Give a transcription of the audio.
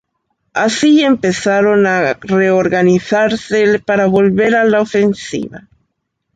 Así empezaron a reorganizarse para volver a la ofensiva.